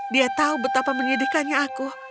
dia tahu betapa menyedihkannya aku